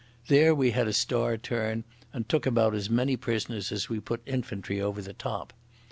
There we had a star turn, and took about as many prisoners as we put infantry over the top.